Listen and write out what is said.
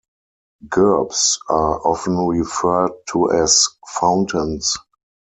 Gerbs are often referred to as 'fountains'.